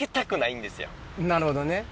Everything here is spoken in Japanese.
なるほどね。